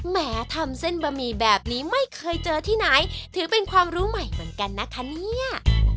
แหมทำเส้นบะหมี่แบบนี้ไม่เคยเจอที่ไหนถือเป็นความรู้ใหม่เหมือนกันนะคะเนี่ย